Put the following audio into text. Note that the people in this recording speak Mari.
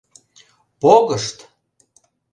Погышт!